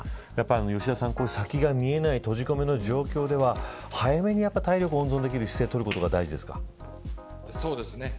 吉田さん先が見えない閉じ込めの状況では早めに体力を温存できるそうですね。